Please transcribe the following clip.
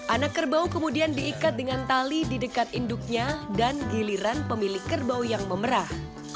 anak kerbau kemudian diikat dengan tali di dekat induknya dan giliran pemilik kerbau yang memerah